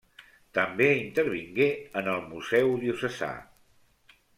També intervingué en el Museu Diocesà.